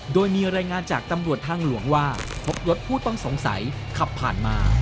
โดยมีรายงานจากตำรวจทางหลวงว่าพบรถผู้ต้องสงสัยขับผ่านมา